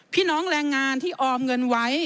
พี่น้องแรงงานที่ออมเงินไว้